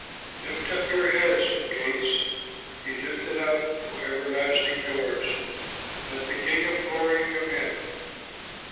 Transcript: Lift up your heads, O gates, Be lifted up, O everlasting doors, Let the King of Glory come in!